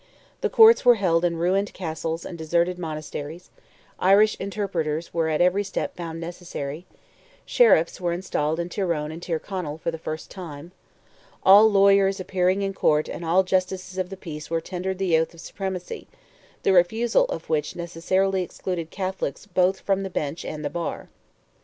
The Courts were held in ruined castles and deserted monasteries; Irish interpreters were at every step found necessary; sheriffs were installed in Tyrone and Tyrconnell for the first time; all lawyers appearing in court and all justices of the peace were tendered the oath of supremacy—the refusal of which necessarily excluded Catholics both from the bench and the bar.